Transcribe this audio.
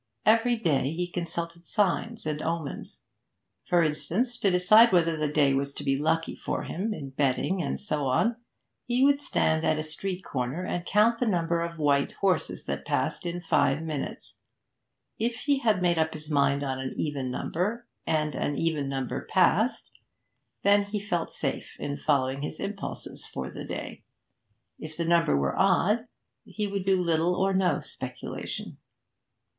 Every day he consulted signs and omens. For instance, to decide whether the day was to be lucky for him in betting and so on he would stand at a street corner and count the number of white horses that passed in five minutes; if he had made up his mind on an even number, and an even number passed, then he felt safe in following his impulses for the day; if the number were odd, he would do little or no speculation.